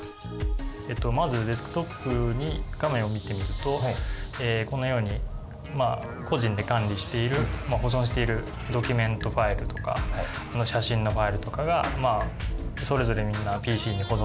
まずデスクトップに画面を見てみるとこのように個人で管理している保存しているドキュメントファイルとか写真のファイルとかがまあそれぞれみんなＰＣに保存してると思うんですけど。